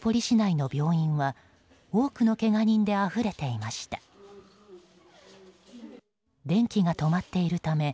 市内の病院は多くのけが人であふれていました。